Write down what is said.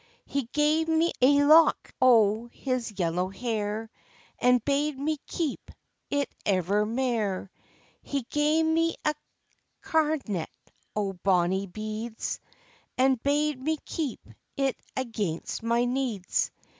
"He gae me a lock o' his yellow hair, And bade me keep it ever mair; He gae me a carknet o' bonny beads, And bade me keep it against my needs.